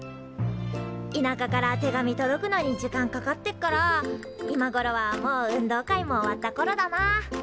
いなかから手紙届くのに時間かかってっから今ごろはもう運動会も終わったころだな。